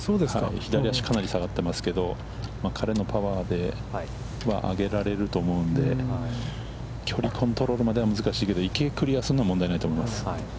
左足かなり下がってますけど、彼のパワーでは上げられると思うので、距離感とれるまでは、難しいけど、池をクリアするのは問題ないと思います。